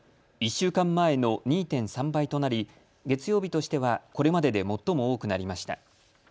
１週間前の２．３倍となり月曜日としてはこれまでで最も多くなりました。